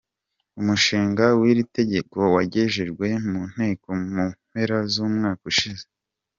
Umushinga w’iri tegeko wagejejwe mu Nteko mu mpera z’umwaka ushize.